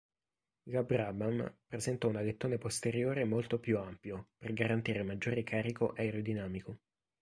La Brabham presentò un alettone posteriore molto più ampio, per garantire maggiore carico aerodinamico.